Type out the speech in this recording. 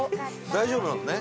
大丈夫なのね？